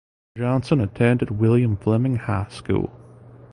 Johnson attended William Fleming High School.